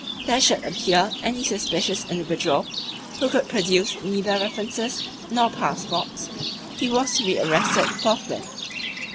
there should appear any suspicious individual who could produce neither references nor passports, he was to be arrested forthwith.